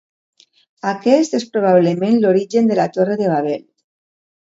Aquest és probablement l'origen de la torre de Babel.